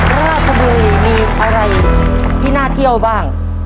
ราชบุรีมีอะไรที่น่าเที่ยวบ้าง